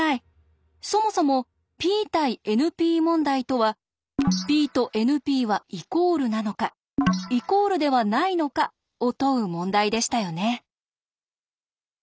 そもそもＰ対ＮＰ問題とはＰとＮＰはイコールなのかイコールではないのかを問う問題でしたよね。